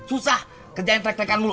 susah kerjain trek trek an mulu